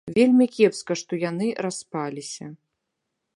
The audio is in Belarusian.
Вельмі кепска, што яны распаліся.